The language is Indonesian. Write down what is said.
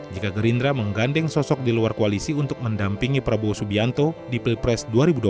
jika gerindra menggandeng sosok di luar koalisi untuk mendampingi prabowo subianto di pilpres dua ribu dua puluh